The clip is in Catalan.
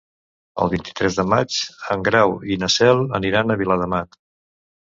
El vint-i-tres de maig en Grau i na Cel aniran a Viladamat.